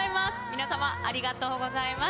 皆様ありがとうございます。